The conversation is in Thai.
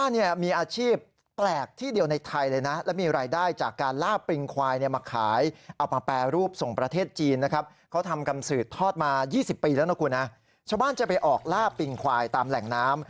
กรรมสือทอดมา๒๐ปีแล้วนะครับคุณชาวบ้านจะไปออกล่าปริงควายตามแหล่งน้ำ